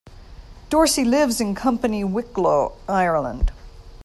Dorcey lives in Company Wicklow, Ireland.